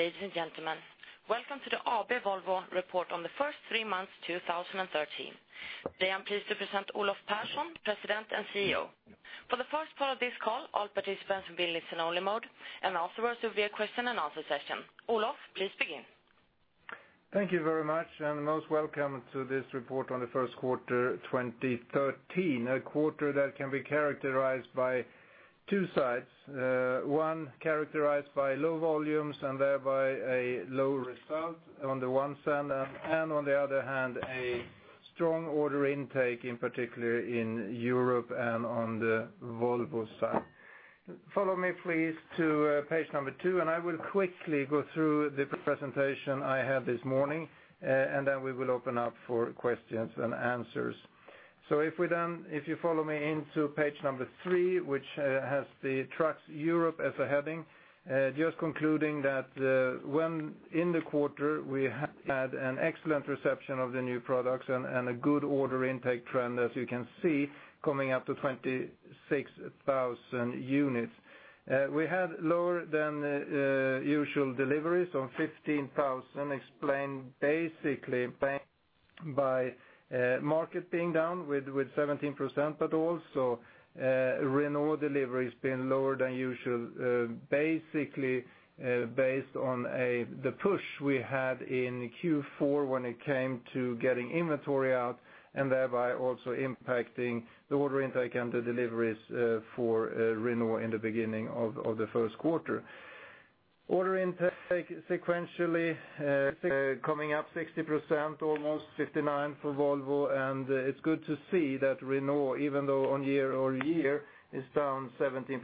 Ladies and gentlemen, welcome to the AB Volvo report on the first three months 2013. Today I am pleased to present Olof Persson, President and CEO. For the first part of this call, all participants will be in listen-only mode, and afterwards there will be a question and answer session. Olof, please begin. Thank you very much. Most welcome to this report on the first quarter 2013, a quarter that can be characterized by two sides. One characterized by low volumes and thereby a low result on the one hand, and on the other hand, a strong order intake, in particular in Europe and on the Volvo side. Follow me please to page number two. I will quickly go through the presentation I had this morning, and then we will open up for questions and answers. If you follow me into page number three, which has the Trucks Europe as a heading, just concluding that in the quarter we had an excellent reception of the new products and a good order intake trend, as you can see, coming up to 26,000 units. We had lower than usual deliveries of 15,000, explained basically by market being down with 17%, but also Renault deliveries being lower than usual, basically based on the push we had in Q4 when it came to getting inventory out, and thereby also impacting the order intake and the deliveries for Renault in the beginning of the first quarter. Order intake sequentially coming up 60%, almost 59 for Volvo, and it is good to see that Renault, even though on year-over-year is down 17%,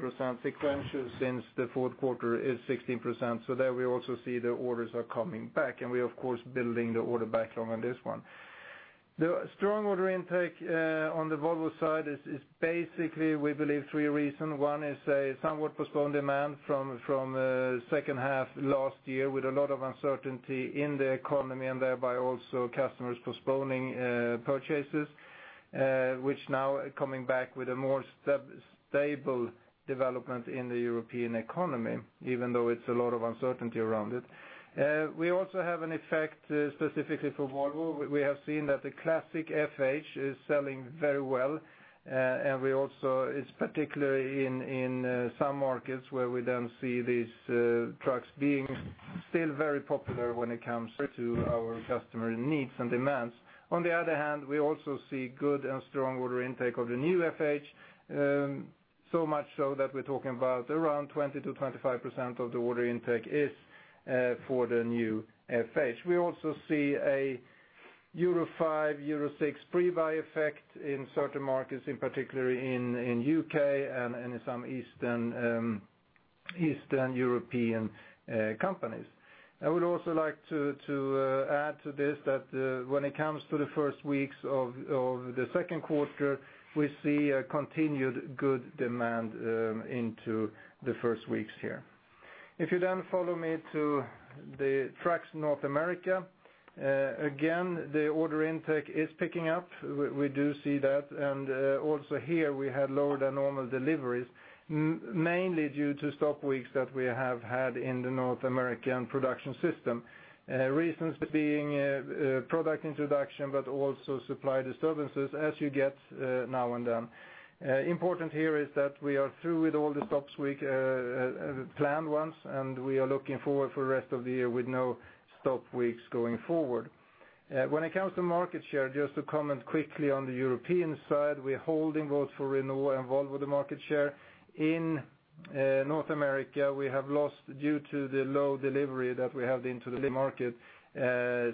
sequentially since the fourth quarter is 16%. There we also see the orders are coming back, and we are of course building the order backlog on this one. The strong order intake on the Volvo side is basically, we believe, three reasons. One is a somewhat postponed demand from the second half last year, with a lot of uncertainty in the economy and thereby also customers postponing purchases, which now are coming back with a more stable development in the European economy, even though it is a lot of uncertainty around it. We also have an effect specifically for Volvo. We have seen that the classic FH is selling very well. It is particularly in some markets where we then see these trucks being still very popular when it came to our customer needs and demands. On the other hand, we also see good and strong order intake of the new FH. So much so that we are talking about around 20%-25% of the order intake is for the new FH. We also see a Euro 5, Euro 6 pre-buy effect in certain markets, in particular in U.K. and in some Eastern European companies. I would also like to add to this that when it comes to the first weeks of the second quarter, we see a continued good demand into the first weeks here. If you follow me to the Trucks North America. The order intake is picking up. We do see that. Also here we had lower than normal deliveries, mainly due to stop weeks that we have had in the North American production system. Reasons being product introduction. Also supply disturbances as you get now and then. Important here is that we are through with all the stops week, planned ones. We are looking forward for the rest of the year with no stop weeks going forward. When it comes to market share, just to comment quickly on the European side, we're holding both for Renault and Volvo the market share. In North America, we have lost due to the low delivery that we have into the market,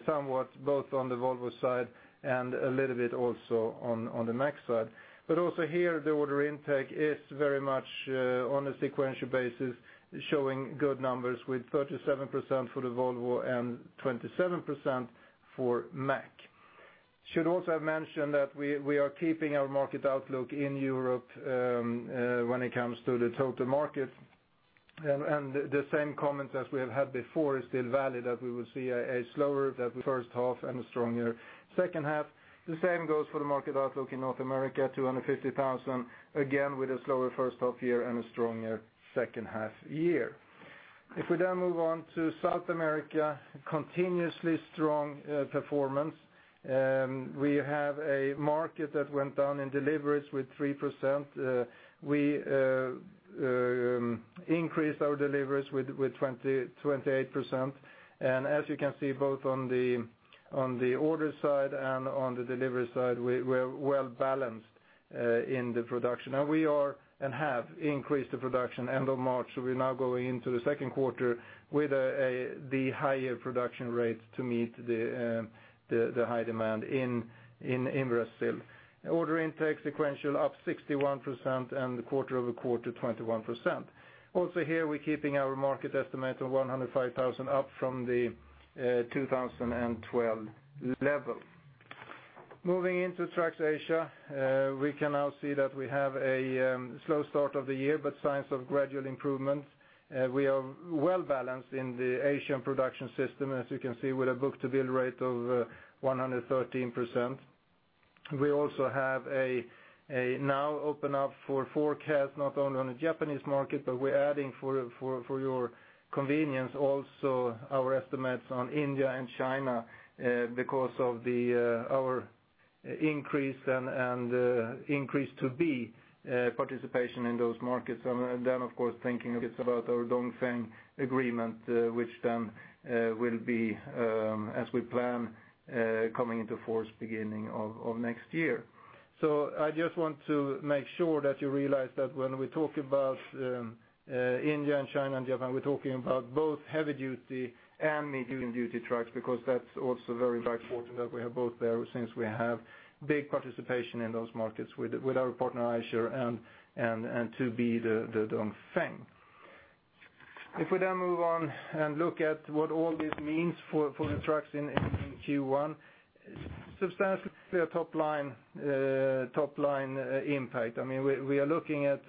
somewhat both on the Volvo side and a little bit also on the Mack side. Here, the order intake is very much on a sequential basis, showing good numbers with 37% for the Volvo and 27% for Mack. Should also have mentioned that we are keeping our market outlook in Europe when it comes to the total market. The same comments as we have had before are still valid, that we will see a slower first half and a stronger second half. The same goes for the market outlook in North America, 250,000, again with a slower first half-year and a stronger second half-year. If we move on to South America, continuously strong performance. We have a market that went down in deliveries with 3%. We increased our deliveries with 28%. As you can see, both on the order side and on the delivery side, we're well-balanced in the production. We are and have increased the production end of March. We're now going into the second quarter with the higher production rates to meet the high demand in Brazil. Order intake sequential up 61% and quarter-over-quarter, 21%. Also here, we're keeping our market estimate of 105,000 up from the 2012 level. Moving into Trucks Asia, we can now see that we have a slow start of the year. Signs of gradual improvement. We are well-balanced in the Asian production system, as you can see, with a book-to-bill rate of 113%. We also have a now open up for forecast, not only on the Japanese market. We are adding for your convenience also our estimates on India and China because of our increase to be participation in those markets. Of course, thinking it's about our Dongfeng agreement, which then will be, as we plan, coming into force beginning of next year. I just want to make sure that you realize that when we talk about India and China and Japan, we are talking about both heavy duty and medium duty trucks, because that is also very important that we have both there, since we have big participation in those markets with our partner Eicher and to be the Dongfeng. If we move on and look at what all this means for the trucks in Q1, substantially a top-line impact. We are looking at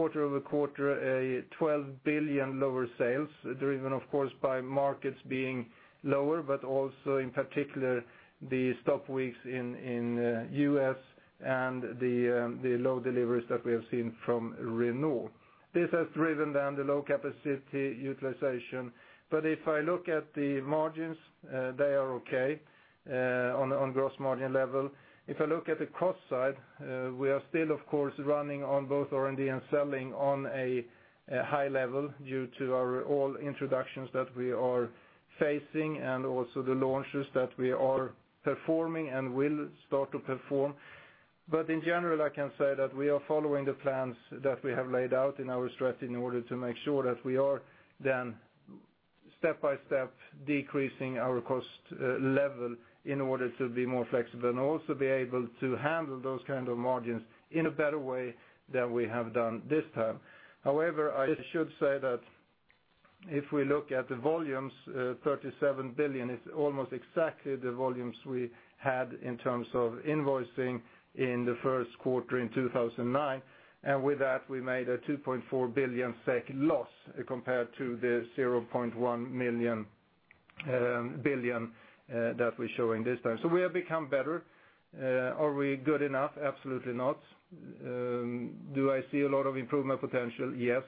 quarter-over-quarter 12 billion lower sales, driven of course by markets being lower, also in particular the stop weeks in U.S. and the low deliveries that we have seen from Renault. This has driven down the low capacity utilization. If I look at the margins, they are okay on gross margin level. If I look at the cost side, we are still of course running on both R&D and selling on a high level due to our all introductions that we are facing and also the launches that we are performing and will start to perform. In general, I can say that we are following the plans that we have laid out in our strategy in order to make sure that we are then step by step decreasing our cost level in order to be more flexible and also be able to handle those kind of margins in a better way than we have done this time. However, I should say that if we look at the volumes, 37 billion is almost exactly the volumes we had in terms of invoicing in the first quarter in 2009. With that, we made a 2.4 billion SEK loss compared to the 0.1 billion that we are showing this time. We have become better. Are we good enough? Absolutely not. Do I see a lot of improvement potential? Yes.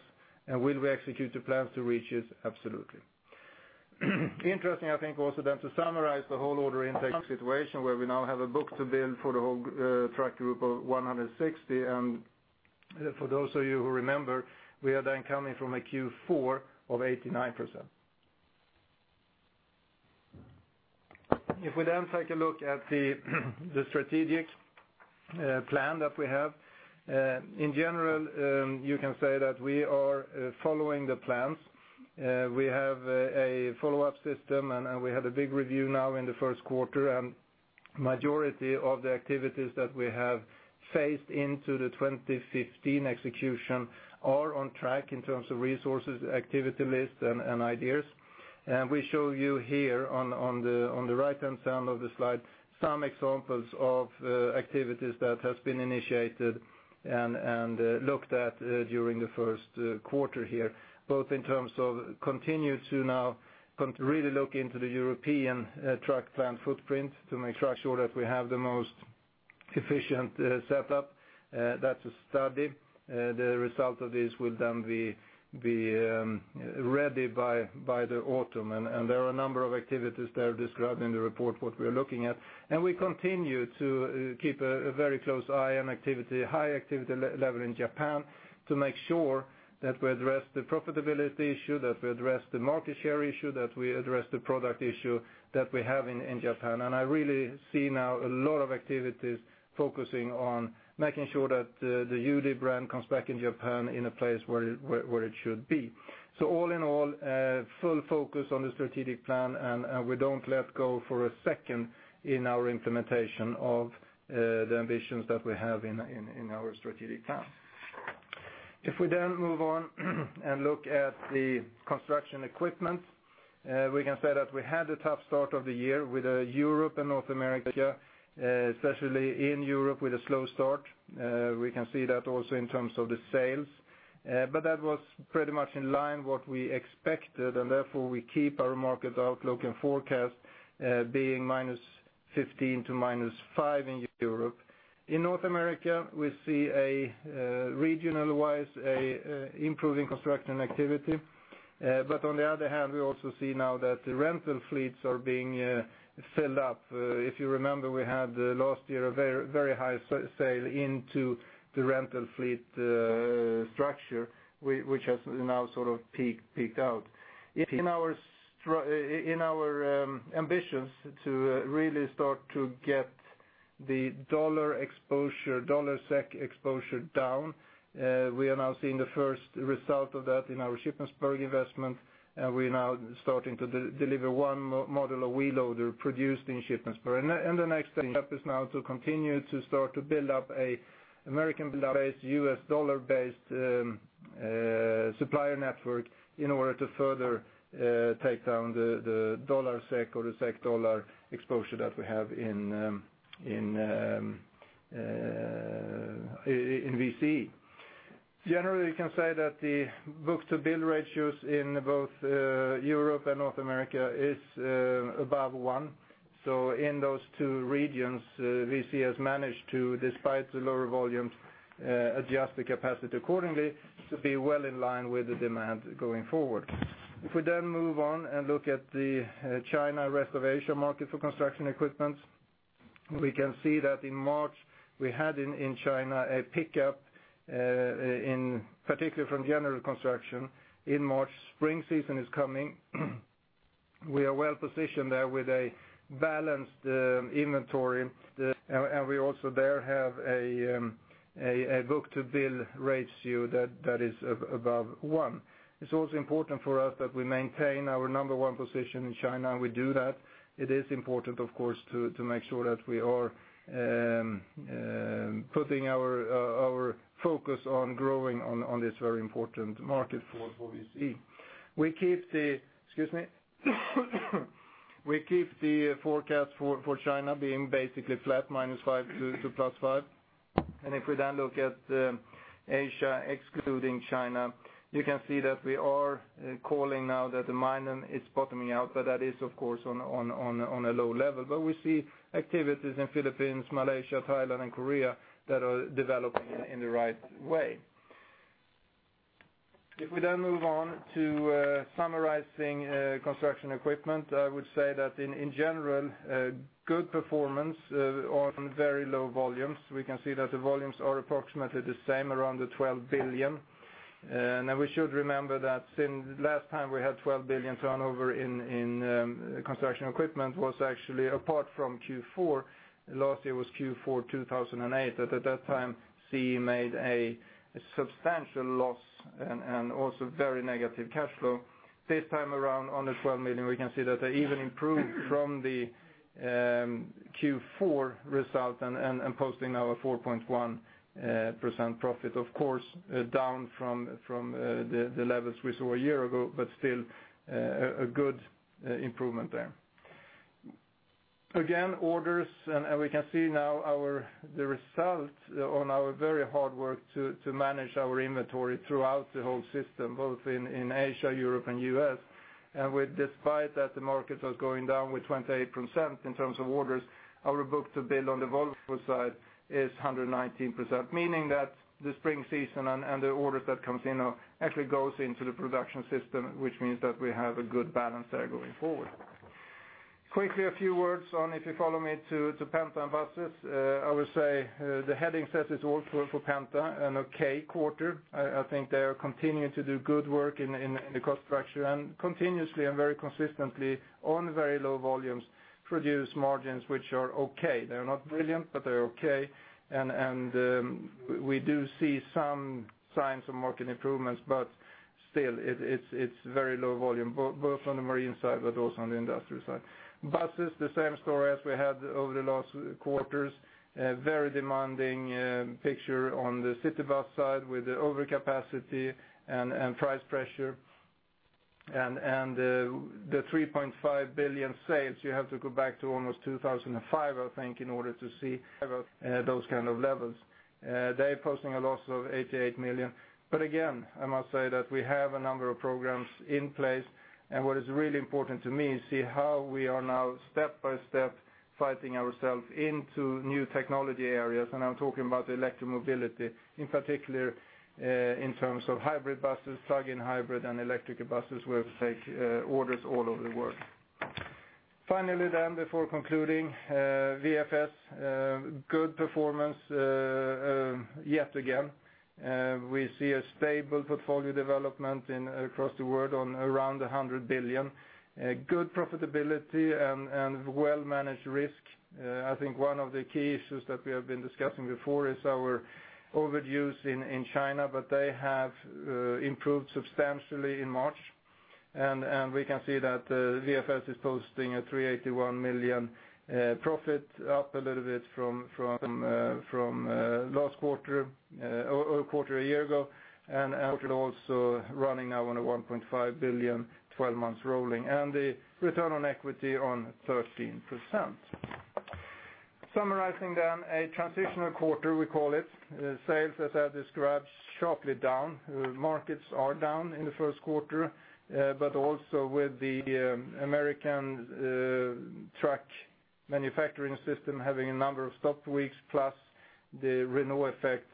Will we execute the plans to reach it? Absolutely. Interesting, I think also to summarize the whole order intake situation where we now have a book-to-bill for the whole truck group of 160%, and for those of you who remember, we are then coming from a Q4 of 89%. If we take a look at the strategic plan that we have, in general, you can say that we are following the plans. We have a follow-up system, and we had a big review now in the first quarter. Majority of the activities that we have phased into the 2015 execution are on track in terms of resources, activity lists, and ideas. We show you here on the right-hand side of the slide some examples of activities that has been initiated and looked at during the first quarter here, both in terms of continue to now really look into the European truck plant footprint to make sure that we have the most efficient setup. That's a study. The result of this will then be ready by the autumn. There are a number of activities there described in the report, what we are looking at. We continue to keep a very close eye on activity, high activity level in Japan to make sure that we address the profitability issue, that we address the market share issue, that we address the product issue that we have in Japan. I really see now a lot of activities focusing on making sure that the UD brand comes back in Japan in a place where it should be. All in all, full focus on the strategic plan, we don't let go for a second in our implementation of the ambitions that we have in our strategic plan. If we move on and look at the construction equipment, we can say that we had a tough start of the year with Europe and North America, especially in Europe with a slow start. We can see that also in terms of the sales. That was pretty much in line what we expected, therefore we keep our market outlook and forecast being -15% to -5% in Europe. In North America, we see regional wise improving construction activity. On the other hand, we also see now that the rental fleets are being filled up. If you remember, we had last year a very high sale into the rental fleet structure, which has now sort of peaked out. In our ambitions to really start to get the USD SEK exposure down, we are now seeing the first result of that in our Shippensburg investment, we are now starting to deliver one model of wheel loader produced in Shippensburg. The next thing is now to continue to start to build up a U.S. dollar based supplier network in order to further take down the USD SEK or the SEK USD exposure that we have in Volvo CE. Generally, we can say that the book-to-bill ratios in both Europe and North America is above one. In those two regions, Volvo CE has managed to, despite the lower volumes, adjust the capacity accordingly to be well in line with the demand going forward. If we move on and look at the China reservation market for construction equipment, we can see that in March we had, in China, a pickup, particularly from general construction. In March, spring season is coming. We are well-positioned there with a balanced inventory, we also there have a book-to-bill ratio that is above one. It's also important for us that we maintain our number 1 position in China, we do that. It is important, of course, to make sure that we are putting our focus on growing on this very important market for Volvo CE. We keep the forecast for China being basically flat, -5% to +5%. If we look at Asia, excluding China, you can see that we are calling now that the mining is bottoming out, that is, of course, on a low level. We see activities in Philippines, Malaysia, Thailand, and Korea that are developing in the right way. If we move on to summarizing construction equipment, I would say that in general, good performance on very low volumes. We can see that the volumes are approximately the same, around 12 billion. We should remember that since last time we had 12 billion turnover in construction equipment was actually, apart from Q4 last year, was Q4 2008, that at that time Volvo CE made a substantial loss and also very negative cash flow. This time around, on the 12 billion, we can see that they even improved from the Q4 result and posting now a 4.1% profit. Of course, down from the levels we saw a year ago, but still a good improvement there. Orders, we can see now the result on our very hard work to manage our inventory throughout the whole system, both in Asia, Europe, and U.S. Despite that the market was going down with 28% in terms of orders, our book-to-bill on the Volvo side is 119%, meaning that the spring season and the orders that comes in now actually goes into the production system, which means that we have a good balance there going forward. Quickly, a few words on, if you follow me to Penta and Buses, I would say the heading says it all for Penta, an okay quarter. I think they are continuing to do good work in the cost structure and continuously and very consistently on very low volumes, produce margins which are okay. They are not brilliant, but they are okay, and we do see some signs of market improvements, but still it's very low volume, both on the marine side, but also on the industrial side. Buses, the same story as we had over the last quarters. Very demanding picture on the city bus side with the overcapacity and price pressure. The 3.5 billion sales, you have to go back to almost 2005, I think, in order to see those kind of levels. They're posting a loss of 88 million. Again, I must say that we have a number of programs in place, what is really important to me is see how we are now step-by-step fighting ourselves into new technology areas, I'm talking about the electric mobility, in particular, in terms of hybrid buses, plug-in hybrid, and electric buses where we take orders all over the world. Finally, before concluding, VFS, good performance yet again. We see a stable portfolio development across the world on around 100 billion. Good profitability and well-managed risk. I think one of the key issues that we have been discussing before is our overdues in China, they have improved substantially in March, we can see that VFS is posting a 381 million profit, up a little bit from last quarter or quarter a year ago, also running now on a 1.5 billion 12 months rolling, and the return on equity on 13%. Summarizing, a transitional quarter, we call it. Sales, as I described, sharply down. Markets are down in the first quarter, also with the American truck manufacturing system having a number of stopped weeks, plus the Renault effect,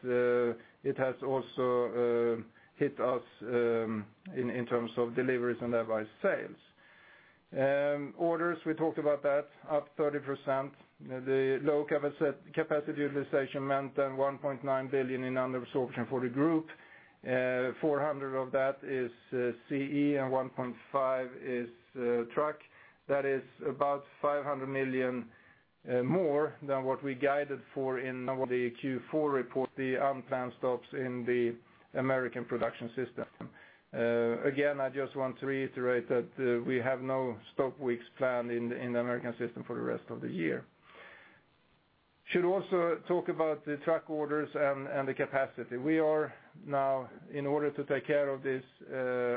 it has also hit us in terms of deliveries and thereby sales. Orders, we talked about that, up 30%. The low capacity utilization meant 1.9 billion in under absorption for the group. 400 of that is CE and 1.5 is truck. That is about 500 million more than what we guided for in the Q4 report, the unplanned stops in the U.S. production system. Again, I just want to reiterate that we have no stop weeks planned in the U.S. system for the rest of the year. We should also talk about the truck orders and the capacity. We are now, in order to take care of these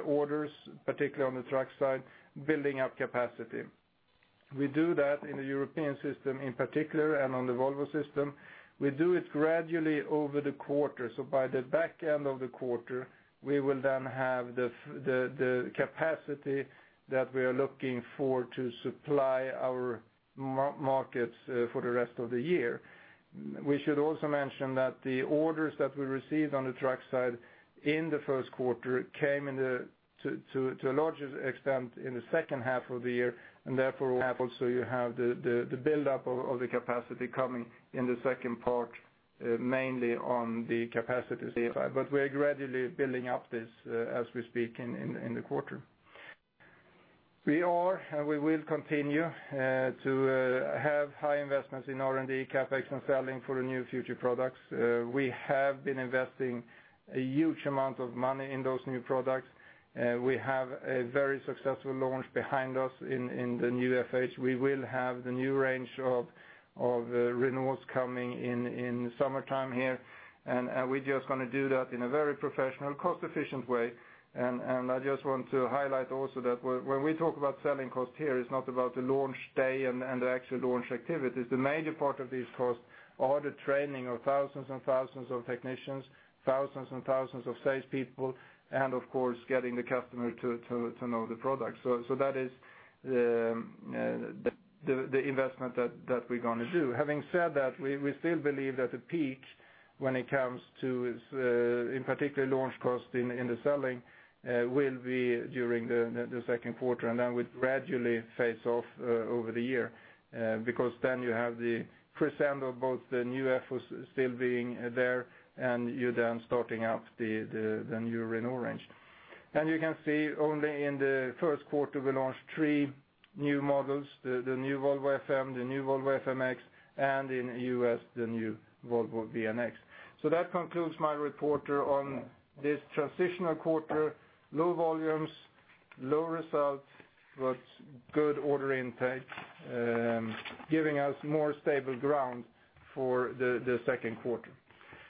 orders, particularly on the truck side, building up capacity. We do that in the European system in particular, and on the Volvo system. We do it gradually over the quarter. By the back end of the quarter, we will then have the capacity that we are looking for to supply our markets for the rest of the year. We should also mention that the orders that we received on the truck side in the first quarter came to a large extent in the second half of the year, therefore also you have the buildup of the capacity coming in the second part, mainly on the capacity side. We are gradually building up this as we speak in the quarter. We are and we will continue to have high investments in R&D, CapEx, and selling for the new future products. We have been investing a huge amount of money in those new products. We have a very successful launch behind us in the new FH. We will have the new range of Renaults coming in the summertime here, we're just going to do that in a very professional, cost-efficient way. I just want to highlight also that when we talk about selling cost here, it's not about the launch day and the actual launch activities. The major part of these costs are the training of thousands and thousands of technicians, thousands and thousands of salespeople, and of course, getting the customer to know the product. That is the investment that we're going to do. Having said that, we still believe that the peak when it comes to, in particular launch cost in the selling, will be during the second quarter, then will gradually phase off over the year. Then you have the first end of both the new FHs still being there and you're then starting up the new Renault range. You can see only in the first quarter, we launched 3 new models, the new Volvo FM, the new Volvo FMX, and in the U.S., the new Volvo VNX. That concludes my report on this transitional quarter. Low volumes, low results, but good order intake, giving us more stable ground for the second quarter.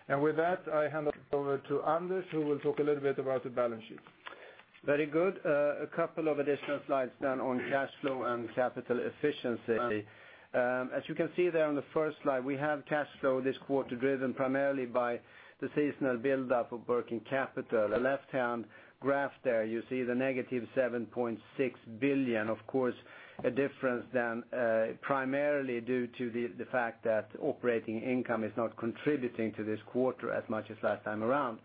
With that, I hand it over to Anders, who will talk a little bit about the balance sheet. Very good. Two additional slides on cash flow and capital efficiency. As you can see there on slide one, we have cash flow this quarter driven primarily by the seasonal buildup of working capital. The left-hand graph there, you see the negative 7.6 billion, of course, a difference primarily due to the fact that operating income is not contributing to this quarter as much as last time around.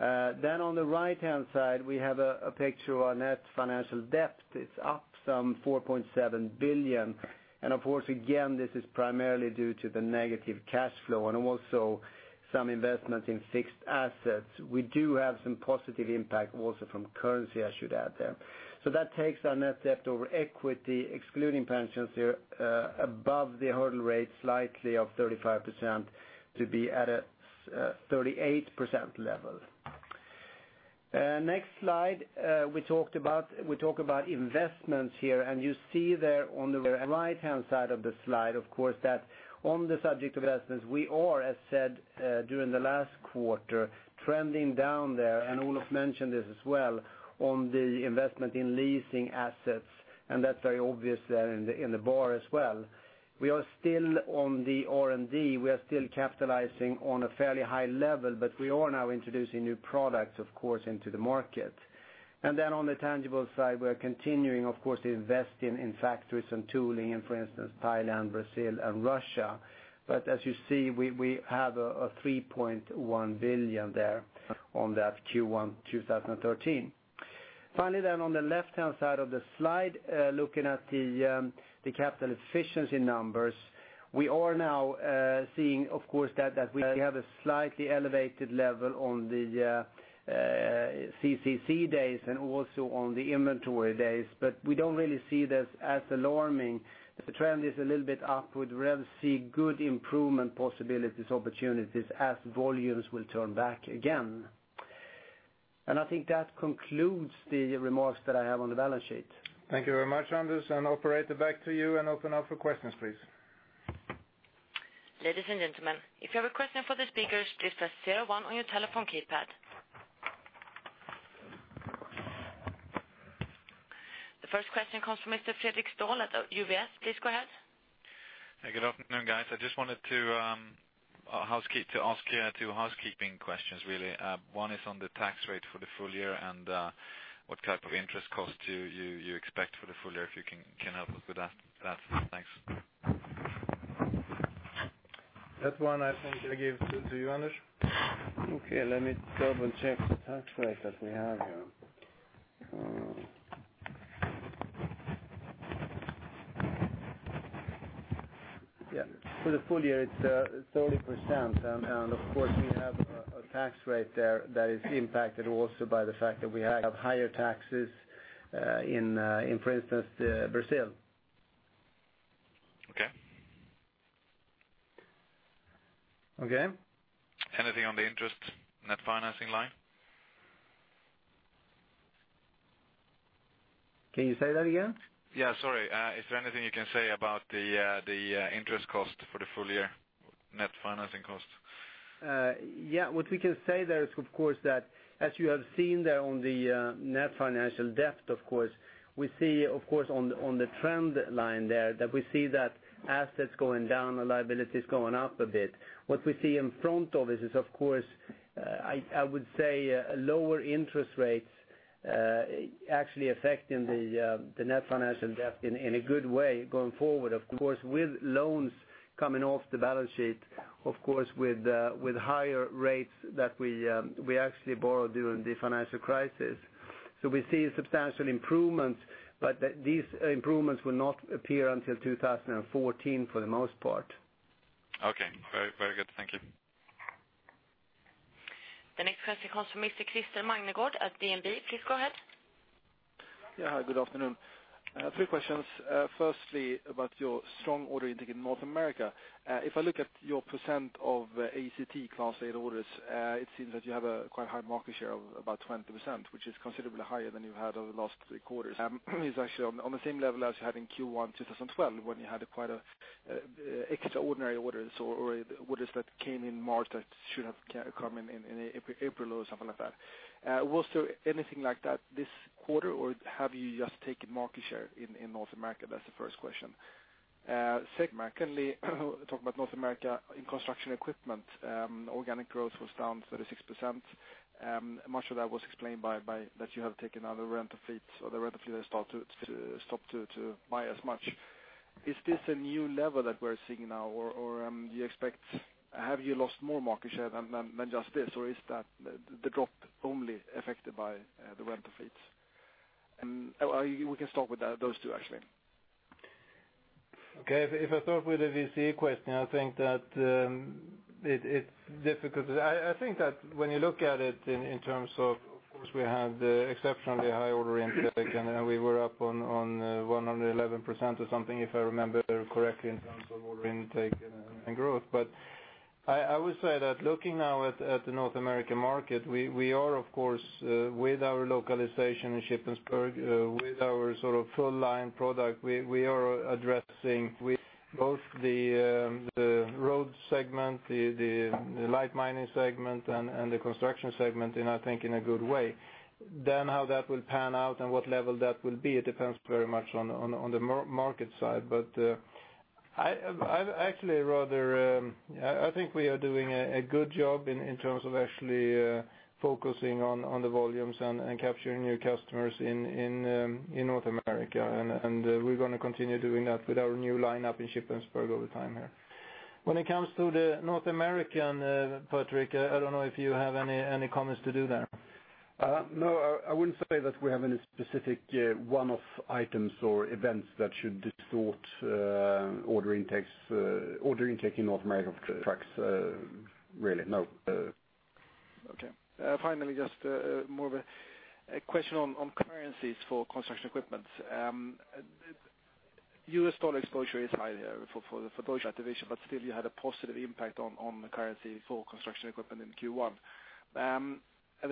On the right-hand side, we have a picture of our net financial debt. It is up some 4.7 billion. Of course, again, this is primarily due to the negative cash flow and also some investment in fixed assets. We do have some positive impact also from currency, I should add there. That takes our net debt over equity, excluding pensions here above the hurdle rate slightly of 35% to be at a 38% level. Next slide, we talk about investments here. You see there on the right-hand side of the slide, of course, that on the subject of investments, we are, as said during the last quarter, trending down there. Olof mentioned this as well, on the investment in leasing assets, and that is very obvious there in the bar as well. We are still on the R&D. We are still capitalizing on a fairly high level. We are now introducing new products, of course, into the market. On the tangible side, we are continuing, of course, investing in factories and tooling in, for instance, Thailand, Brazil, and Russia. As you see, we have a 3.1 billion there on that Q1 2013. Finally, on the left-hand side of the slide, looking at the capital efficiency numbers, we are now seeing, of course, that we have a slightly elevated level on the CCC days and also on the inventory days. We do not really see this as alarming. The trend is a little bit upward. We will see good improvement possibilities, opportunities as volumes will turn back again. I think that concludes the remarks that I have on the balance sheet. Thank you very much, Anders. Operator, back to you, and open up for questions, please. Ladies and gentlemen, if you have a question for the speakers, please press zero one on your telephone keypad. The first question comes from Mr. Fredrik Stål at UBS. Please go ahead. Hey, good afternoon, guys. I just wanted to ask you two housekeeping questions, really. One is on the tax rate for the full year and what type of interest cost you expect for the full year, if you can help us with that. Thanks. That one, I think I give to you, Anders. Okay. Let me double-check the tax rate that we have here. Yeah. For the full year, it's 30%, and of course, we have a tax rate there that is impacted also by the fact that we have higher taxes in, for instance, Brazil. Okay. Okay? Anything on the interest net financing line? Can you say that again? Yeah, sorry. Is there anything you can say about the interest cost for the full year? Net financing cost. What we can say there is, as you have seen there on the net financial debt, we see on the trend line there that we see that assets going down and liabilities going up a bit. What we see in front of us is, I would say, lower interest rates, actually affecting the net financial debt in a good way going forward. With loans coming off the balance sheet with higher rates that we actually borrowed during the financial crisis. We see substantial improvements, but these improvements will not appear until 2014 for the most part. Very good. Thank you. The next question comes from Mr. Krister Magnergård at DNB. Please go ahead. Hi, good afternoon. Three questions. Firstly, about your strong order intake in North America. If I look at your percent of ACT Class 8 orders, it seems that you have a quite high market share of about 20%, which is considerably higher than you've had over the last three quarters. It's actually on the same level as you had in Q1 2012, when you had quite extraordinary orders, or orders that came in March that should have come in April, or something like that. Was there anything like that this quarter, or have you just taken market share in North America? That's the first question. Secondly, talk about North America in Construction Equipment. Organic growth was down 36%. Much of that was explained by that you have taken other rental fleets or the rental fleets have stopped to buy as much. Is this a new level that we're seeing now, or have you lost more market share than just this, or is the drop only affected by the rental fleets? We can start with those two, actually. Okay. If I start with the CE question, I think that it's difficult. I think that when you look at it in terms of course, we had exceptionally high order intake, and we were up on 111% or something, if I remember correctly, in terms of order intake and growth. I would say that looking now at the North American market, we are, with our localization in Shippensburg, with our full line product, we are addressing both the road segment, the light mining segment, and the construction segment, I think, in a good way. How that will pan out and what level that will be, it depends very much on the market side. I think we are doing a good job in terms of actually focusing on the volumes and capturing new customers in North America. We're going to continue doing that with our new lineup in Shippensburg over time here. When it comes to the North American, Patrick, I don't know if you have any comments to do there. No, I wouldn't say that we have any specific one-off items or events that should distort order intake in North America for trucks. Really, no. Okay. Finally, just more of a question on currencies for Construction Equipment. U.S. dollar exposure is high here for both activation, but still you had a positive impact on the currency for Construction Equipment in Q1. I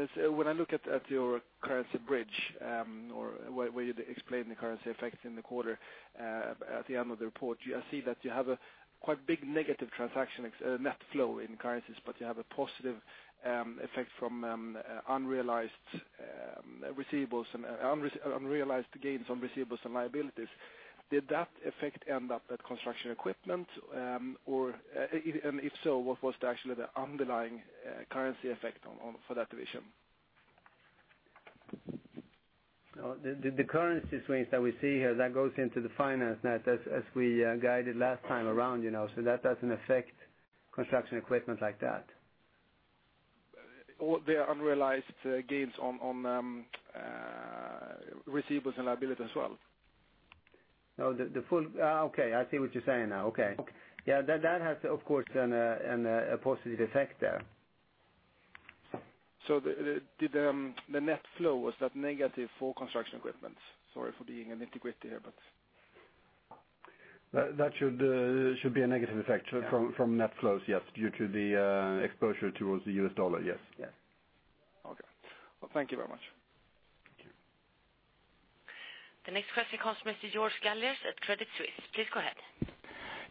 look at your currency bridge, or where you explain the currency effects in the quarter at the end of the report, I see that you have a quite big negative transaction net flow in currencies, but you have a positive effect from unrealized gains on receivables and liabilities. Did that effect end up at Construction Equipment? If so, what was actually the underlying currency effect for that division? The currency swings that we see here, that goes into the finance net as we guided last time around. That doesn't affect Construction Equipment like that. The unrealized gains on receivables and liabilities as well? I see what you're saying now. Yeah, that has, of course, a positive effect there. The net flow, was that negative for Construction Equipment? Sorry for being nitpicky here. That should be a negative effect from net flows, yes, due to the exposure towards the US dollar, yes. Yes. Okay. Well, thank you very much. Thank you. The next question comes from Mr. George Galliers at Credit Suisse. Please go ahead.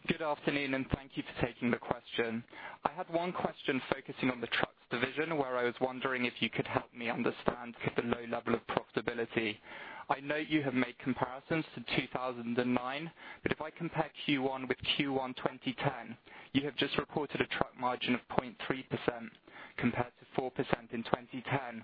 Good afternoon, thank you for taking the question. I had one question focusing on the Trucks division, where I was wondering if you could help me understand the low level of profitability. I know you have made comparisons to 2009, but if I compare Q1 with Q1 2010, you have just reported a truck margin of 0.3% compared to 4% in 2010.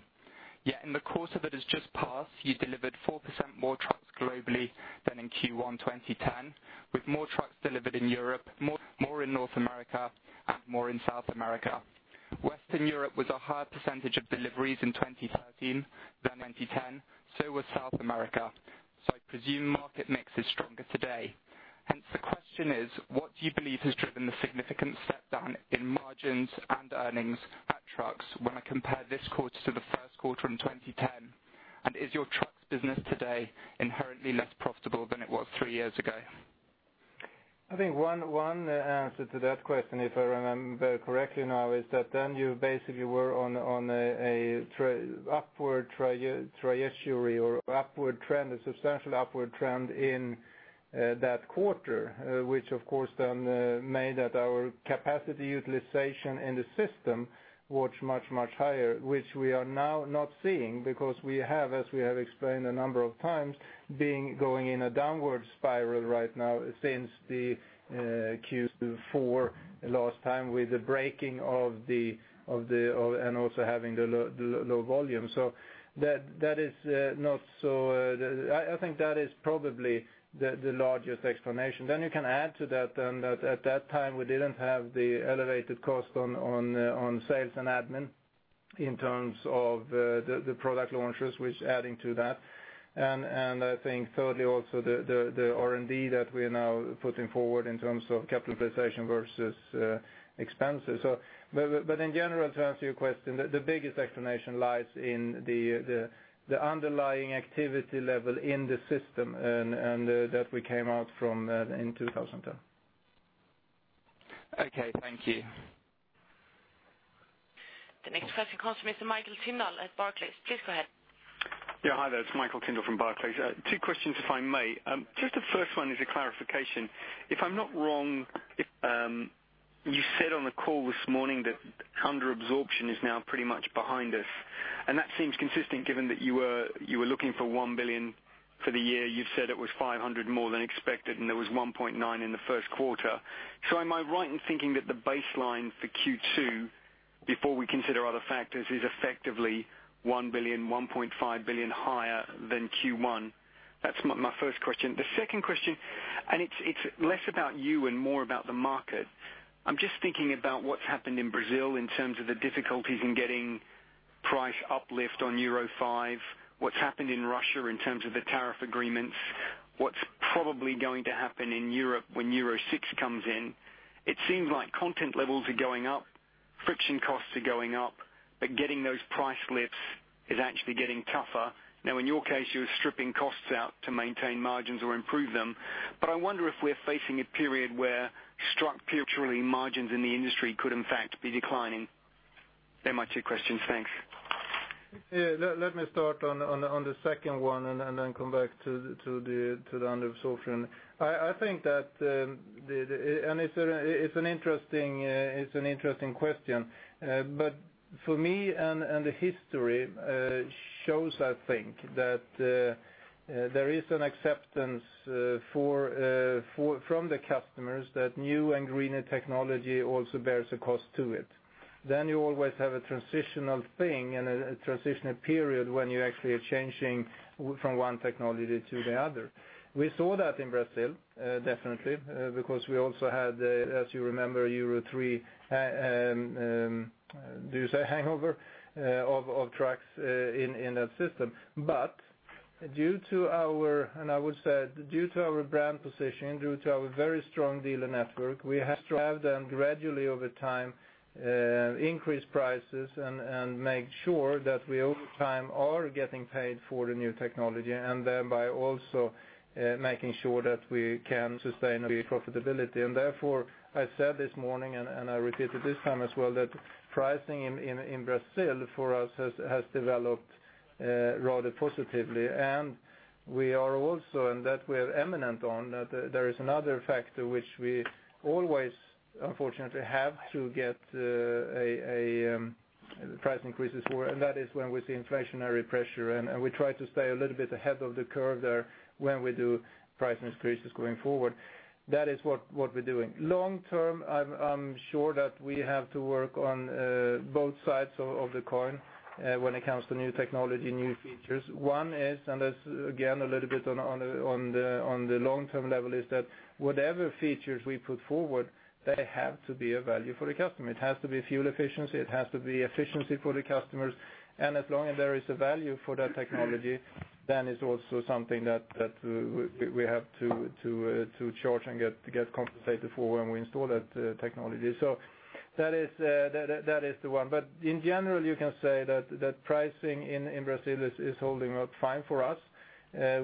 Yet in the quarter that has just passed, you delivered 4% more trucks globally than in Q1 2010, with more trucks delivered in Europe, more in North America, and more in South America. Western Europe was a higher percentage of deliveries in 2013 than 2010. Was South America. I presume market mix is stronger today. Hence the question is, what do you believe has driven the significant step-down in margins and earnings at Trucks when I compare this quarter to the first quarter in 2010? Is your trucks business today inherently less profitable than it was three years ago? I think one answer to that question, if I remember correctly now, is that then you basically were on a substantial upward trend in that quarter, which of course then made that our capacity utilization in the system was much higher, which we are now not seeing because we have, as we have explained a number of times, been going in a downward spiral right now since the Q4 last time with the breaking of and also having the low volume. I think that is probably the largest explanation. You can add to that then that at that time we didn't have the elevated cost on sales and admin in terms of the product launches, which adding to that. I think thirdly also the R&D that we are now putting forward in terms of capitalization versus expenses. To answer your question, the biggest explanation lies in the underlying activity level in the system, and that we came out from in 2010. Okay. Thank you. The next question comes from Mr. Michael Tyndall at Barclays. Please go ahead. Hi there. It's Michael Tyndall from Barclays. Two questions, if I may. Just the first one is a clarification. If I'm not wrong, you said on the call this morning that under absorption is now pretty much behind us, and that seems consistent given that you were looking for 1 billion for the year. You said it was 500 more than expected, and there was 1.9 in the first quarter. Am I right in thinking that the baseline for Q2, before we consider other factors, is effectively 1 billion, 1.5 billion higher than Q1? That's my first question. The second question, it's less about you and more about the market. I'm just thinking about what's happened in Brazil in terms of the difficulties in getting price uplift on Euro 5, what's happened in Russia in terms of the tariff agreements, what's probably going to happen in Europe when Euro 6 comes in. It seems like content levels are going up, friction costs are going up, but getting those price lifts is actually getting tougher. In your case, you're stripping costs out to maintain margins or improve them. I wonder if we're facing a period where structurally margins in the industry could in fact be declining. They're my two questions. Thanks. Let me start on the second one and then come back to the under absorption. It's an interesting question. For me, and the history shows, I think, that there is an acceptance from the customers that new and greener technology also bears a cost to it. You always have a transitional thing and a transitional period when you actually are changing from one technology to the other. We saw that in Brazil, definitely, because we also had, as you remember, Euro 3, do you say hangover, of trucks in that system. Due to our brand position, due to our very strong dealer network, we have to have them gradually over time increase prices and make sure that we over time are getting paid for the new technology, by also making sure that we can sustain the profitability. Therefore, I said this morning, I repeat it this time as well, that pricing in Brazil for us has developed rather positively. We are also, that we are eminent on, that there is another factor which we always unfortunately have to get price increases for, that is when we see inflationary pressure, we try to stay a little bit ahead of the curve there when we do price increases going forward. That is what we're doing. Long term, I'm sure that we have to work on both sides of the coin when it comes to new technology, new features. One is, that's again a little bit on the long-term level, is that whatever features we put forward, they have to be a value for the customer. It has to be fuel efficiency, it has to be efficiency for the customers, as long as there is a value for that technology, it's also something that we have to charge and get compensated for when we install that technology. That is the one. In general, you can say that pricing in Brazil is holding up fine for us.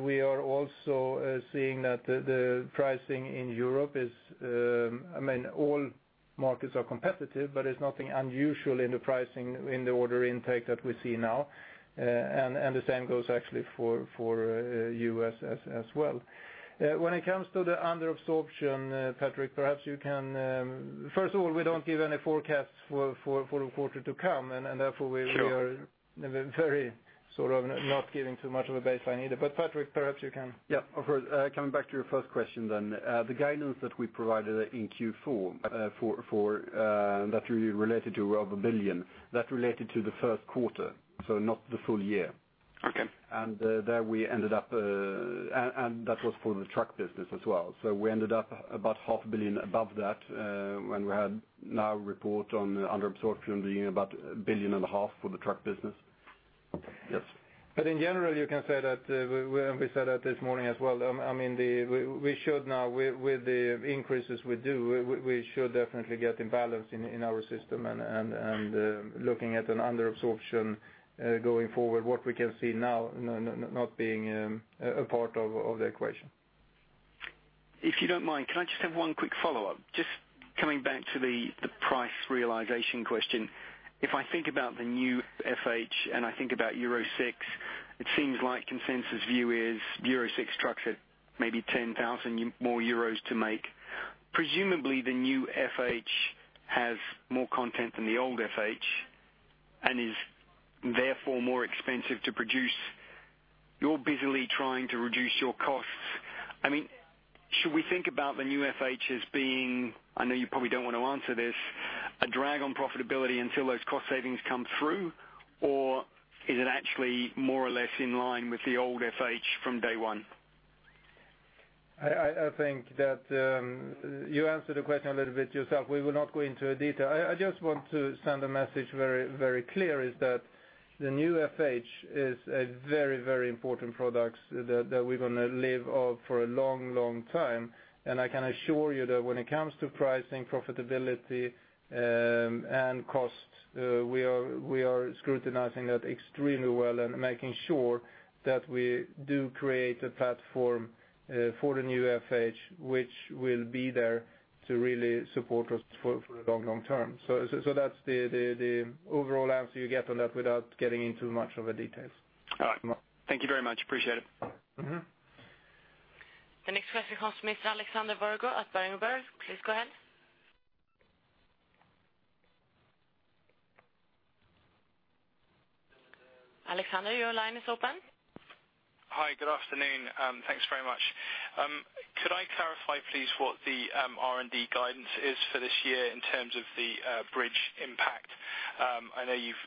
We are also seeing that the pricing in Europe is, all markets are competitive, there's nothing unusual in the pricing in the order intake that we see now, the same goes actually for U.S. as well. When it comes to the under absorption, Patrick, first of all, we don't give any forecasts for the quarter to come, therefore. Sure we are very sort of not giving too much of a baseline either. Patrick, perhaps you can. Yeah, of course. Coming back to your first question then. The guidance that we provided in Q4 that related to over 1 billion, that related to the first quarter, not the full year. Okay. That was for the truck business as well. We ended up about SEK half a billion above that when we had now report on under absorption being about SEK a billion and a half for the truck business. Yes. In general, you can say that, we said that this morning as well, with the increases we do, we should definitely get imbalance in our system and looking at an under absorption going forward, what we can see now not being a part of the equation. If you don't mind, can I just have one quick follow-up? Just coming back to the price realization question. If I think about the new FH and I think about Euro 6, it seems like consensus view is Euro 6 trucks are maybe 10,000 euros more to make. Presumably, the new FH has more content than the old FH, and is therefore more expensive to produce. You're busily trying to reduce your costs. Should we think about the new FH as being, I know you probably don't want to answer this, a drag on profitability until those cost savings come through? Or is it actually more or less in line with the old FH from day one? I think that you answered the question a little bit yourself. We will not go into detail. I just want to send a message very clear, is that the new FH is a very important product that we're going to live off for a long time. And I can assure you that when it comes to pricing, profitability, and costs, we are scrutinizing that extremely well and making sure that we do create a platform for the new FH, which will be there to really support us for the long term. That's the overall answer you get on that without getting into much of the details. All right. Thank you very much. Appreciate it. The next question comes from Mr. Alexander Virgo at Berenberg. Please go ahead. Alexander, your line is open. Hi. Good afternoon. Thanks very much. Could I clarify, please, what the R&D guidance is for this year in terms of the bridge impact? I know you've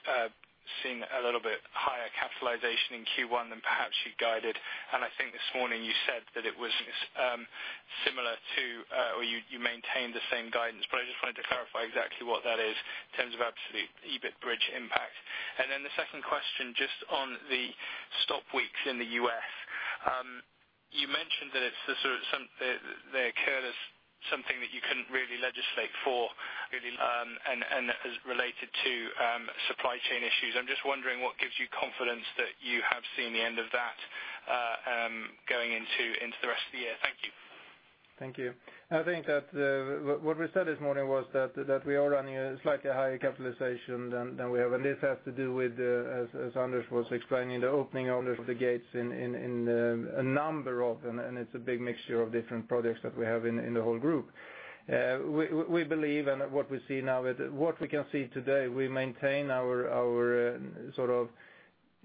seen a little bit higher capitalization in Q1 than perhaps you guided. I think this morning you said that it was similar to or you maintained the same guidance. I just wanted to clarify exactly what that is in terms of absolute EBIT bridge impact. The second question, just on the stop weeks in the U.S. You mentioned that they occurred as something that you couldn't really legislate for, and that is related to supply chain issues. I'm just wondering what gives you confidence that you have seen the end of that going into the rest of the year. Thank you. Thank you. I think that what we said this morning was that we are running a slightly higher capitalization than we have. This has to do with, as Anders was explaining, the opening of the gates in a number of them, and it's a big mixture of different projects that we have in the whole group. We believe and what we can see today, we maintain our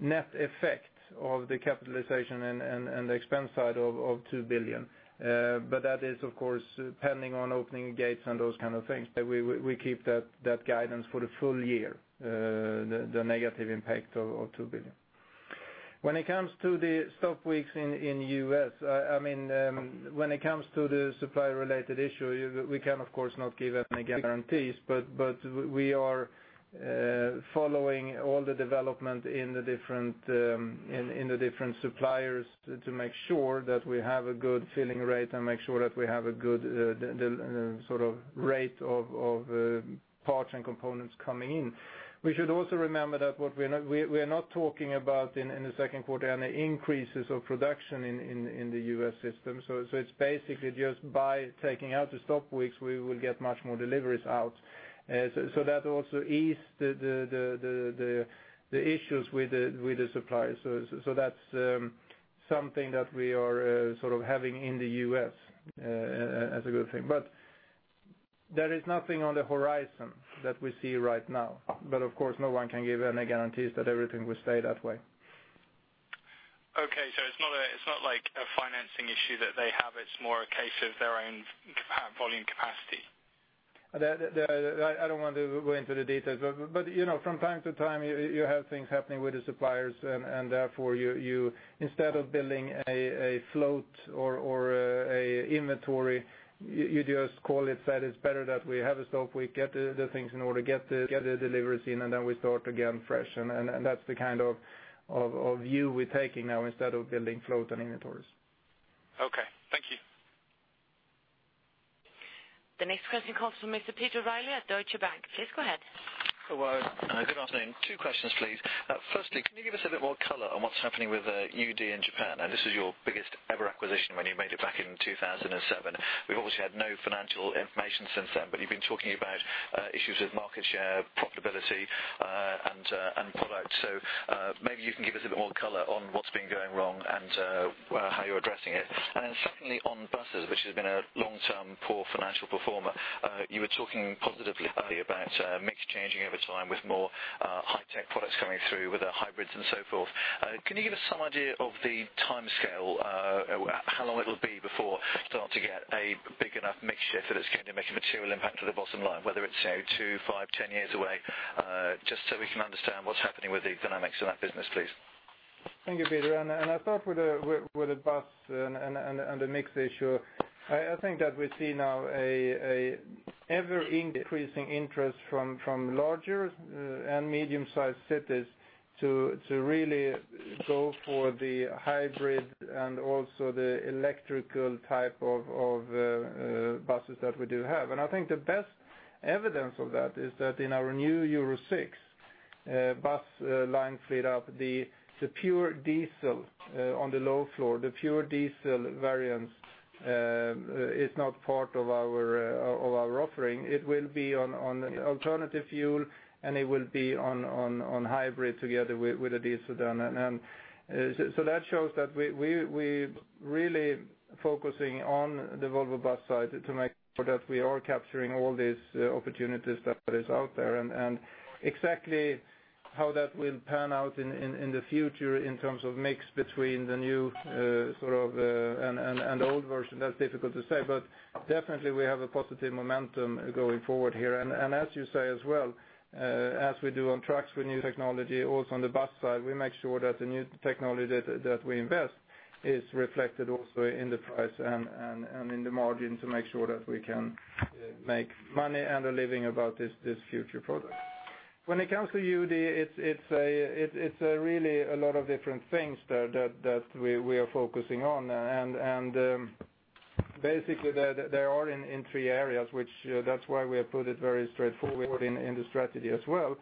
net effect of the capitalization and the expense side of 2 billion. That is, of course, pending on opening gates and those kinds of things. That we keep that guidance for the full year, the negative impact of 2 billion. When it comes to the stop weeks in U.S., when it comes to the supply-related issue, we can, of course, not give any guarantees, but we are following all the development in the different suppliers to make sure that we have a good filling rate and make sure that we have a good rate of parts and components coming in. We should also remember that we are not talking about, in the second quarter, any increases of production in the U.S. system. It's basically just by taking out the stop weeks, we will get much more deliveries out. That also eased the issues with the suppliers. That's something that we are having in the U.S. as a good thing. There is nothing on the horizon that we see right now. Of course, no one can give any guarantees that everything will stay that way. Okay. It's not like a financing issue that they have. It's more a case of their own volume capacity. I don't want to go into the details. From time to time, you have things happening with the suppliers, therefore you, instead of building a float or an inventory, you just call it that it's better that we have a stop week, get the things in order, get the deliveries in, then we start again fresh. That's the kind of view we're taking now instead of building float and inventories. Okay. Thank you. The next question comes from Mr. Peter Riley at Deutsche Bank. Please go ahead. Hello. Good afternoon. Two questions, please. Firstly, can you give us a bit more color on what's happening with UD in Japan? This is your biggest ever acquisition when you made it back in 2007. We've obviously had no financial information since then, you've been talking about issues with market share, profitability, and product. Maybe you can give us a bit more color on what's been going wrong and how you're addressing it. Then secondly, on buses, which has been a long-term poor financial performer, you were talking positively earlier about mix changing over time with more high-tech products coming through with hybrids and so forth. Can you give us some idea of the timescale, how long it will be before we start to get a big enough mix shift that it's going to make a material impact to the bottom line, whether it's two, five, 10 years away, just so we can understand what's happening with the dynamics in that business, please. Thank you, Peter. I thought with the bus and the mix issue, I think that we see now an ever-increasing interest from larger and medium-sized cities to really go for the hybrid and also the electrical type of buses that we do have. I think the best evidence of that is that in our new Euro 6 Bus line freed up the pure diesel on the low floor, the pure diesel variant is not part of our offering. It will be on alternative fuel, and it will be on hybrid together with a diesel then. That shows that we're really focusing on the Volvo Buses side to make sure that we are capturing all these opportunities that are out there. Exactly how that will pan out in the future in terms of mix between the new and old version, that's difficult to say. Definitely we have a positive momentum going forward here. As you say as well, as we do on trucks with new technology, also on the Volvo Buses side, we make sure that the new technology that we invest is reflected also in the price and in the margin to make sure that we can make money and a living about this future product. When it comes to UD, it's really a lot of different things that we are focusing on. Basically they are in three areas, which that's why we have put it very straightforward in the strategy as well.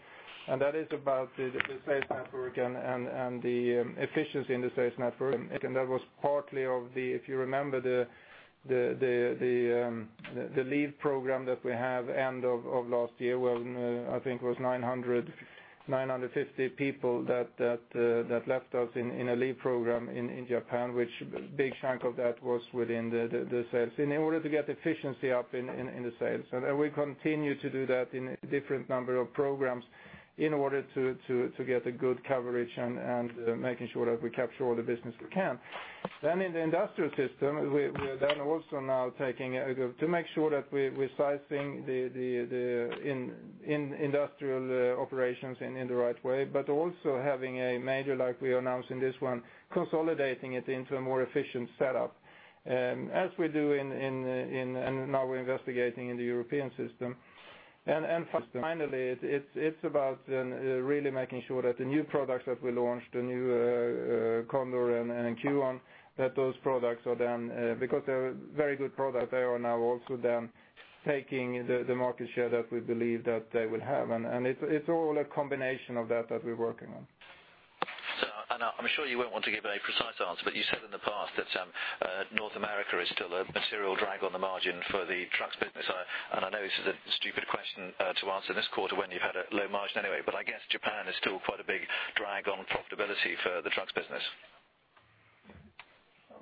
That is about the sales network and the efficiency in the sales network. That was partly of the, if you remember, the leave program that we have end of last year, I think it was 950 people that left us in a leave program in Japan, which a big chunk of that was within the sales. In order to get efficiency up in the sales. We continue to do that in different number of programs in order to get a good coverage and making sure that we capture all the business we can. In the industrial system, we are then also now taking to make sure that we're sizing the industrial operations in the right way, but also having a major like we announced in this one, consolidating it into a more efficient setup. As we do and now we're investigating in the European system. Finally, it's about really making sure that the new products that we launched, the new Condor and Quon, that those products are then, because they're very good products, they are now also then taking the market share that we believe that they will have. It's all a combination of that we're working on. I'm sure you won't want to give a precise answer, you said in the past that North America is still a material drag on the margin for the trucks business. I know this is a stupid question to answer this quarter when you've had a low margin anyway, I guess Japan is still quite a big drag on profitability for the trucks business.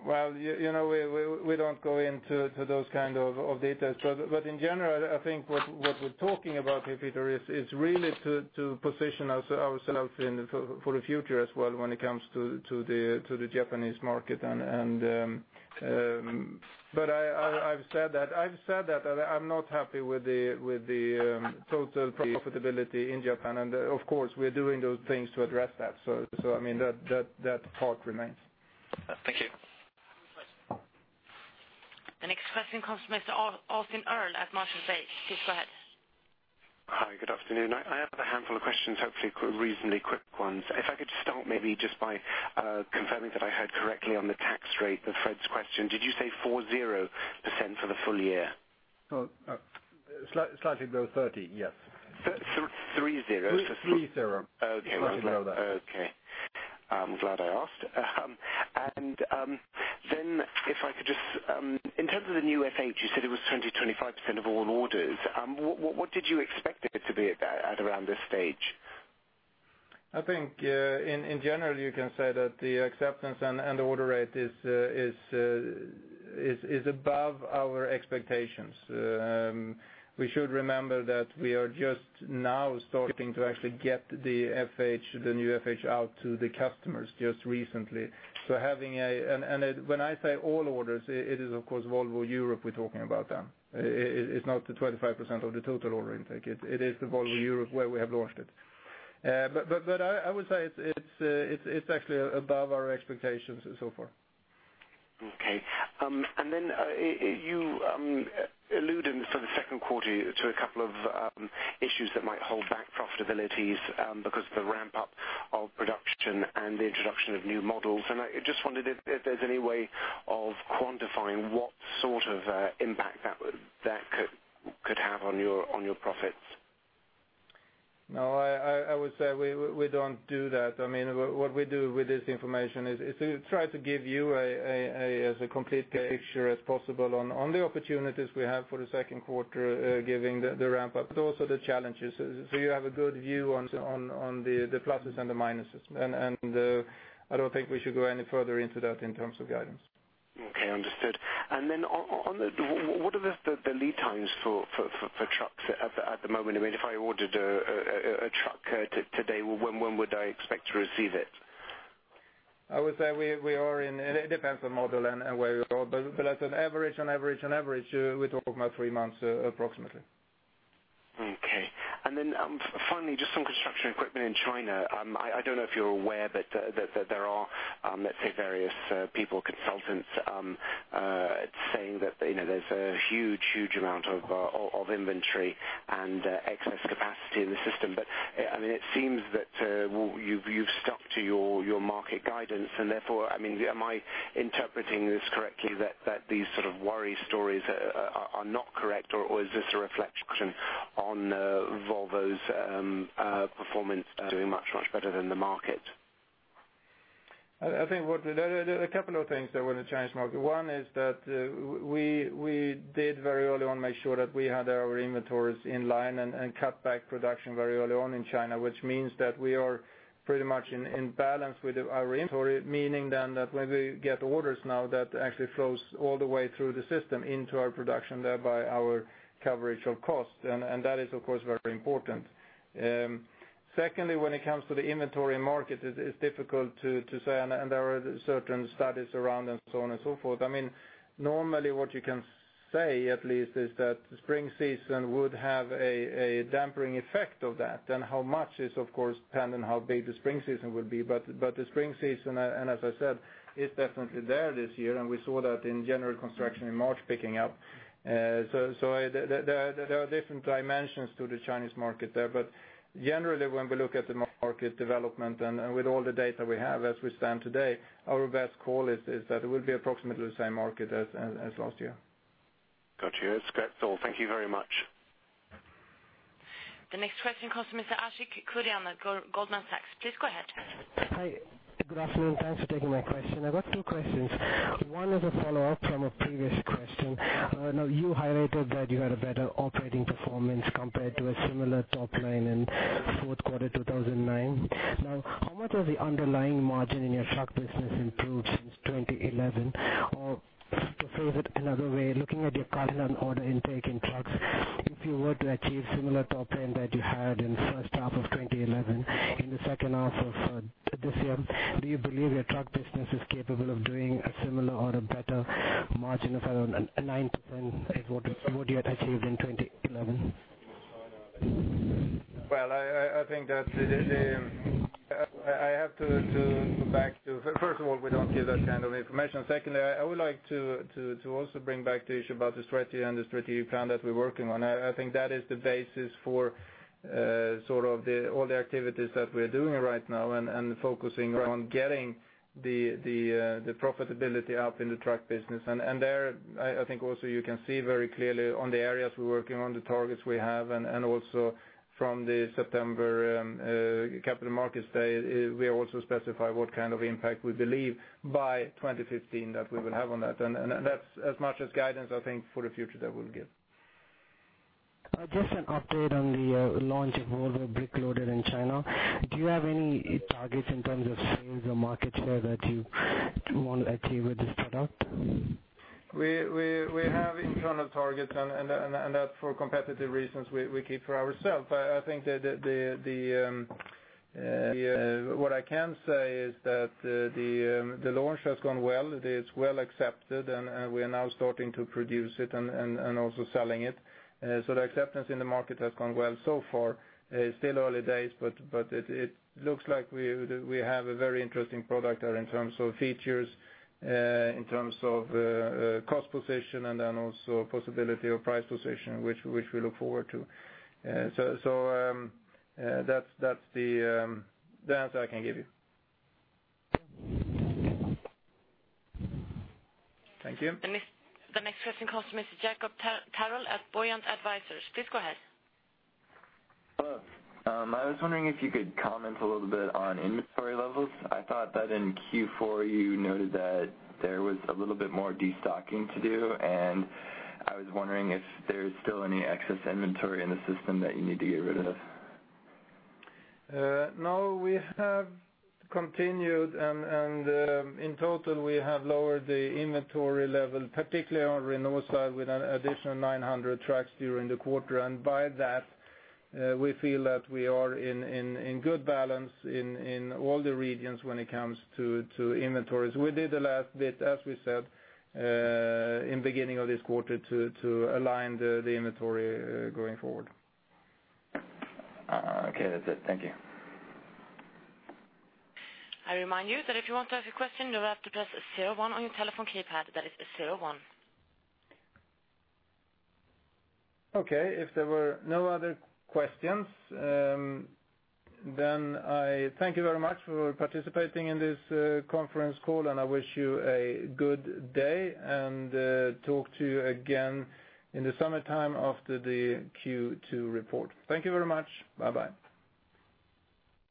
Well, we don't go into those kind of details. In general, I think what we're talking about here, Peter, is really to position ourselves for the future as well when it comes to the Japanese market. I've said that I'm not happy with the total profitability in Japan. Of course, we are doing those things to address that. That part remains. Thank you. The next question comes from Mr. Austin Earl at Marshall Wace. Please go ahead. Hi, good afternoon. I have a handful of questions, hopefully reasonably quick ones. If I could start maybe just by confirming that I heard correctly on the tax rate of Fredrik question. Did you say 40% for the full year? Slightly below 30, yes. 30? Three zero. Okay. Slightly below that. Okay. I'm glad I asked. If I could just, in terms of the new FH, you said it was 20%-25% of all orders. What did you expect it to be at around this stage? I think, in general, you can say that the acceptance and the order rate is above our expectations. We should remember that we are just now starting to actually get the new FH out to the customers just recently. When I say all orders, it is of course Volvo Europe we're talking about then. It's not the 25% of the total order intake. It is the Volvo Europe where we have launched it. I would say it's actually above our expectations so far. Okay. Then you alluded for the second quarter to a couple of issues that might hold back profitabilities because of the ramp up of production and the introduction of new models. I just wondered if there's any way of quantifying what sort of impact that could have on your profits. No, I would say we don't do that. What we do with this information is to try to give you as a complete picture as possible on the opportunities we have for the second quarter, given the ramp up, but also the challenges. You have a good view on the pluses and the minuses. I don't think we should go any further into that in terms of guidance. Okay, understood. Then, what are the lead times for trucks at the moment? If I ordered a truck today, when would I expect to receive it? I would say we are in, it depends on model and where you are, but as an average, we talk about three months approximately. Finally, just on construction equipment in China. I don't know if you're aware, but that there are, let's say various people, consultants, saying that there's a huge amount of inventory and excess capacity in the system. It seems that you've stuck to your market guidance and therefore, am I interpreting this correctly that these sort of worry stories are not correct? Or is this a reflection on Volvo's performance doing much, much better than the market? I think there are a couple of things that wouldn't change market. One is that we did very early on make sure that we had our inventories in line and cut back production very early on in China, which means that we are pretty much in balance with our inventory, meaning then that when we get orders now that actually flows all the way through the system into our production, thereby our coverage of cost, and that is of course, very important. Secondly, when it comes to the inventory market, it is difficult to say, and there are certain studies around and so on and so forth. Normally what you can say at least is that spring season would have a dampening effect of that, and how much is, of course, dependent on how big the spring season would be. The spring season, and as I said, is definitely there this year, and we saw that in general construction in March picking up. There are different dimensions to the Chinese market there. Generally, when we look at the market development and with all the data we have as we stand today, our best call is that it will be approximately the same market as last year. Got you. That's all. Thank you very much. The next question comes from Mr. Ashik Kurian of Goldman Sachs. Please go ahead. Hi. Good afternoon. Thanks for taking my question. I got two questions. One is a follow-up from a previous question. I know you highlighted that you had a better operating performance compared to a similar top line in fourth quarter 2009. How much has the underlying margin in your truck business improved since 2011? To phrase it another way, looking at your current order intake in trucks, if you were to achieve similar top line that you had in the first half of 2011 in the second half of this year, do you believe your truck business is capable of doing a similar or a better margin of around 9% as what you had achieved in 2011? Well, first of all, we don't give that kind of information. Secondly, I would like to also bring back the issue about the strategy and the strategic plan that we're working on. I think that is the basis for all the activities that we're doing right now and focusing on getting the profitability up in the truck business. There, I think also you can see very clearly on the areas we're working on, the targets we have, and also from the September capital markets day, we also specify what kind of impact we believe by 2015 that we will have on that. That's as much as guidance, I think, for the future that we'll give. Just an update on the launch of Volvo wheel loader in China. Do you have any targets in terms of sales or market share that you want to achieve with this product? We have internal targets, that for competitive reasons, we keep for ourselves. What I can say is that the launch has gone well. It is well accepted, we are now starting to produce it and also selling it. The acceptance in the market has gone well so far. It's still early days, but it looks like we have a very interesting product there in terms of features, in terms of cost position, then also possibility of price position, which we look forward to. That's the answer I can give you. Thank you. The next question comes from Mr. Jakob Ternryd at Buoyant Capital. Please go ahead. Hello. I was wondering if you could comment a little bit on inventory levels. I thought that in Q4 you noted that there was a little bit more destocking to do, I was wondering if there's still any excess inventory in the system that you need to get rid of. No, we have continued, in total, we have lowered the inventory level, particularly on Renault side, with an additional 900 trucks during the quarter. By that, we feel that we are in good balance in all the regions when it comes to inventories. We did a last bit, as we said, in beginning of this quarter to align the inventory going forward. Okay, that's it. Thank you. I remind you that if you want to ask a question, you have to press 01 on your telephone keypad. That is 01. Okay. If there were no other questions, then I thank you very much for participating in this conference call, and I wish you a good day and talk to you again in the summertime after the Q2 report. Thank you very much. Bye-bye.